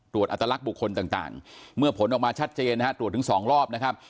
อัตลักษณ์บุคคลต่างเมื่อผลออกมาชัดเจนนะฮะตรวจถึง๒รอบนะครับ